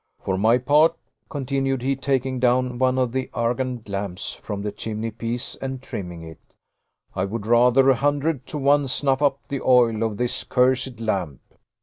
"For my part," continued he, taking down one of the Argand lamps from the chimney piece, and trimming it, "I would rather a hundred to one snuff up the oil of this cursed lamp."